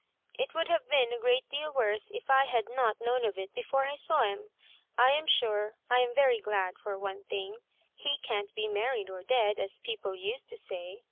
" It would have been a great deal worse if I had not known of it before I saw him. I am sure I am very glad for one thing. He can't be married or dead, as peo ple used to say.